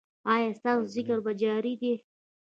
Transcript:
ایا ستاسو ذکر جاری دی؟